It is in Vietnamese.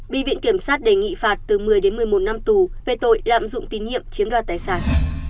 bị viện kiểm sát đề nghị phạt từ một mươi đến một mươi một năm tù về tội lạm dụng tín nhiệm chiếm đoạt tài sản